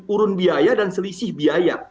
urun biaya dan selisih biaya